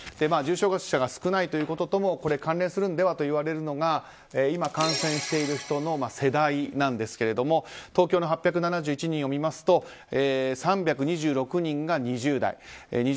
重症者が少ないということと関連するのではといわれるのが今感染している人の世代ですが東京の８７１人を見ますと３２６人が２０代。